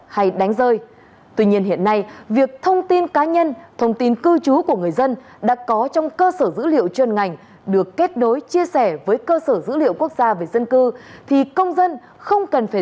hãy đăng ký kênh để ủng hộ kênh của mình nhé